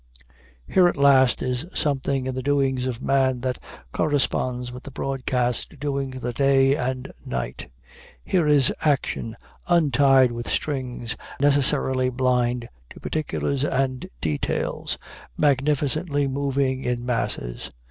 Here at last is something in the doings of man that corresponds with the broadcast doings of the day and night. Here is action untied from strings, necessarily blind to particulars and details, magnificently moving in masses.